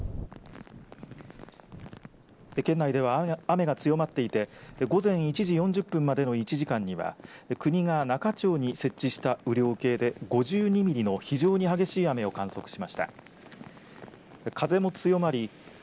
県内では雨が強まっていて午前１時４０分までの１時間には国が那賀町に設置した雨量計で５２ミリの非常に激しい雨を観測しました。